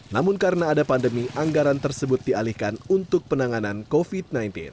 namun karena ada pandemi anggaran tersebut dialihkan untuk penanganan covid sembilan belas